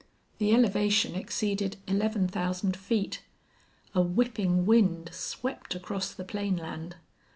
The elevation exceeded eleven thousand feet. A whipping wind swept across the plain land.